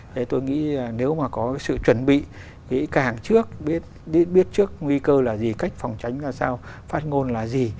thế tôi nghĩ nếu mà có sự chuẩn bị kỹ càng trước biết trước nguy cơ là gì cách phòng tránh ra sao phát ngôn là gì